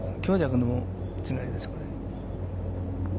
強弱の違いです、これは。